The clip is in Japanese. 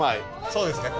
そうですね